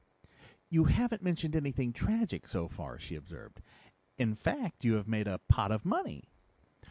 "You haven't mentioned anything tragic so far," she observed. "In fact, you have made a pot of money."